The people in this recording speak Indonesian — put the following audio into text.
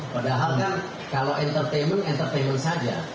padahal kan kalau entertainment entertainment saja